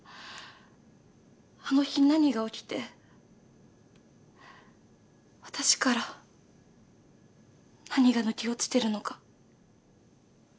あの日何が起きて私から何が抜け落ちてるのか。